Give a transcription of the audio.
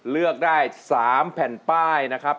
เลือกได้๓แผ่นป้ายนะครับ